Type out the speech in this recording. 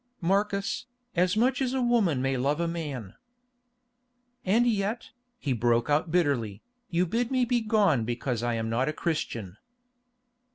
"Marcus, as much as a woman may love a man." "And yet," he broke out bitterly, "you bid me begone because I am not a Christian."